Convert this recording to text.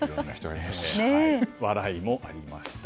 笑いもありました。